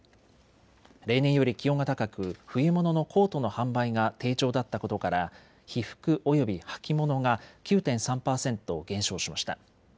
例年より気温が高く冬物のコートの販売が低調だったことから被服および履物が９．３％減少しました。